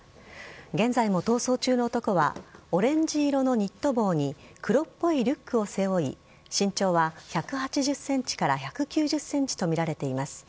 現在も逃走中の男はオレンジ色のニット帽に黒っぽいリュックを背負い身長は１８０ｃｍから１９０ｃｍとみられています。